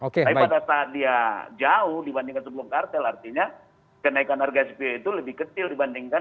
tapi pada saat dia jauh dibandingkan sebelum kartel artinya kenaikan harga spo itu lebih kecil dibandingkan